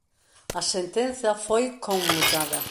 A sentenza foi conmutada.